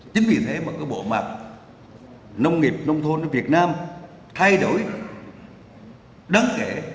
chính vì thế mà bộ mặt nông nghiệp nông thôn việt nam thay đổi đáng kể